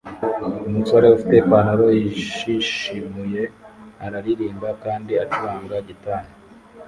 Umusore ufite ipantaro yashishimuye araririmba kandi acuranga gitari